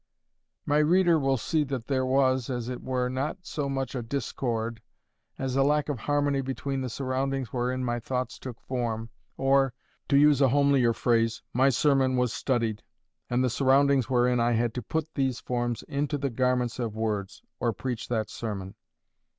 My reader will see then that there was, as it were, not so much a discord, as a lack of harmony between the surroundings wherein my thoughts took form, or, to use a homelier phrase, my sermon was studied, and the surroundings wherein I had to put these forms into the garments of words, or preach that sermon.